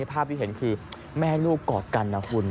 ภาพที่เห็นคือแม่ลูกกอดกันนะคุณ